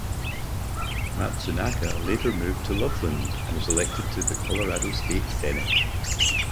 Matsunaka later moved to Loveland and was elected to the Colorado State Senate.